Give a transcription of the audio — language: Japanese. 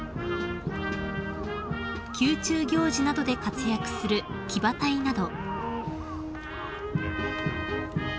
［宮中行事などで活躍する騎馬隊など］